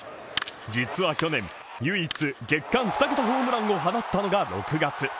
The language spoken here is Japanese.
実は去年、唯一、月間２桁ホームランを放ったのが６月。